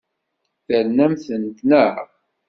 Ternamt-tent, naɣ?